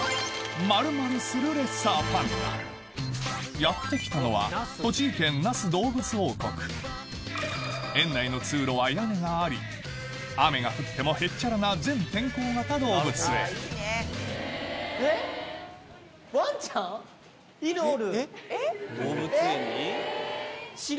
やって来たのは園内の通路は屋根があり雨が降ってもへっちゃらな犬おる！